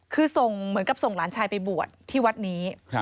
คือส่งเหมือนกับส่งหลานชายไปบวชที่วัดนี้